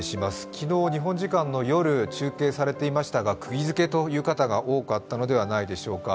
昨日、日本時間の夜中継されていましたが、くぎづけという方が多かったのではないでしょうか。